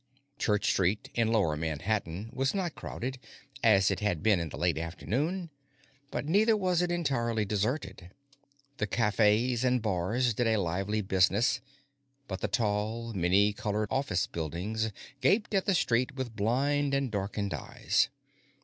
Church Street, in lower Manhattan, was not crowded, as it had been in the late afternoon, but neither was it entirely deserted. The cafes and bars did a lively business, but the tall, many colored office buildings gaped at the street with blind and darkened eyes.